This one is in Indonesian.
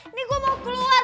ini gue mau keluar